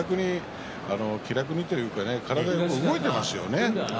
気楽にというか体がよく動いていますよね。